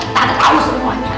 tante tau semuanya